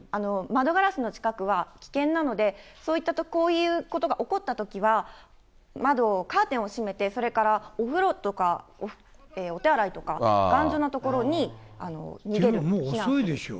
窓ガラスの近くは危険なので、こういうことが起こったときは、窓、カーテンを閉めて、それからお風呂とか、お手洗いとか、もう遅いでしょ。